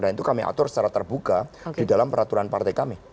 dan itu kami atur secara terbuka di dalam peraturan partai kami